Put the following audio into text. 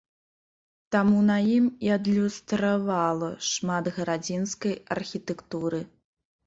Таму на ім і адлюстравала шмат гарадзенскай архітэктуры.